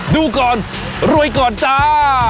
ดูก่อนรวยก่อนจ้า